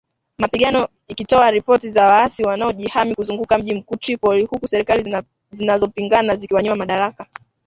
mapigano ikitoa ripoti za waasi wanaojihami kuzunguka mji mkuu Tripoli huku serikali zinazopingana zikiwanyima madaraka